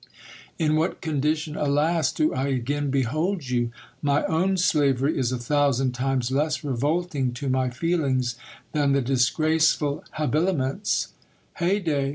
In what condition, alas ! do I again behold you ? My own slavery is a thousand times less revolting to my feelings than the disgraceful habiliments Heyday